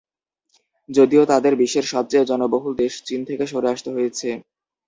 যদিও তাদের বিশ্বের সবচেয়ে জনবহুল দেশ চীন থেকে সরে আসতে হয়েছে।